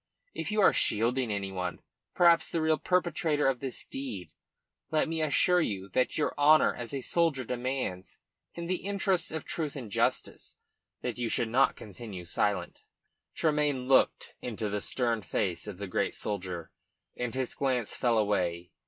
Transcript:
If you are shielding any one perhaps the real perpetrator of this deed let me assure you that your honour as a soldier demands, in the interests of truth and justice, that you should not continue silent." Tremayne looked into the stern face of the great soldier, and his glance fell away.